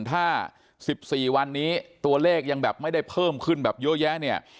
ถ้า๑๔วันนี้ตัวเลขยังแบบไม่ได้เพิ่มขึ้นแบบเยอะแยะเนี่ย